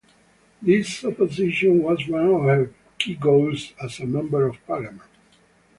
This opposition was one of her key goals as a Member of Parliament.